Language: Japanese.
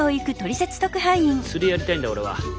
釣りやりたいんだ俺は。